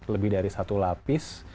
lebih dari satu lapis